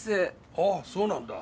ああそうなんだ。